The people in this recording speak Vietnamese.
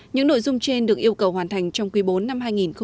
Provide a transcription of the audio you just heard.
những nội dung trên được yêu cầu hoàn thành trong quý bốn năm hai nghìn hai mươi